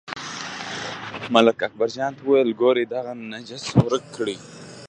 ملک اکبرجان ته وویل، ګورئ دغه نجس ورک کړئ.